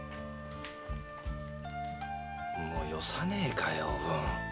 よさねえかよおぶん。